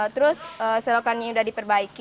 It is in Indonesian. terus selokannya udah diperbaiki